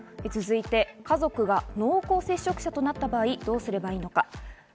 続いて、家族が濃厚接触者となった場合どうすればいいのか。